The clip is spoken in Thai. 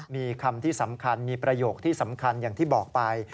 มีคำที่สำคัญมีประโยคที่สำคัญอย่างที่บอกไป